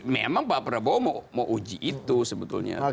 memang pak prabowo mau uji itu sebetulnya